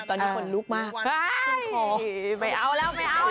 ตอนนี้ขนลุกมากใช่อ๋อไม่เอาแล้วไม่เอาแล้ว